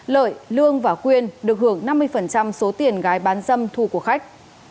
lợi lương và quyên được hưởng năm mươi số tiền gái bán dâm thu của khách